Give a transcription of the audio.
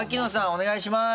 お願いします。